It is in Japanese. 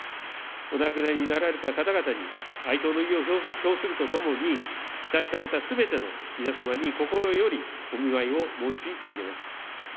お亡くなりになられた方々に哀悼の意を表するとともに、被災されたすべての皆様に心よりお見舞いを申し上げます。